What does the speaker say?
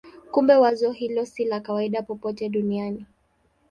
Kumbe wazo hilo si la kawaida popote duniani.